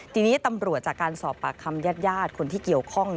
ทีนี้ตำรวจจากการสอบปากคำญาติคนที่เกี่ยวข้อง